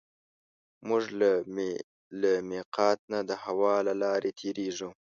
موږ له مېقات نه د هوا له لارې تېرېږو.